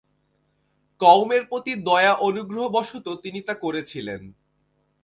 কওমের প্রতি দয়া অনুগ্রহবশত তিনি তা করেছিলেন।